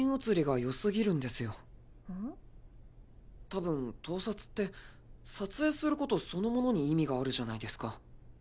たぶん盗撮って撮影することそのものに意味があるじゃないですか。